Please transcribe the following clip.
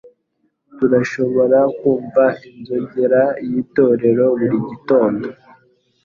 Turashobora kumva inzogera y'itorero buri gitondo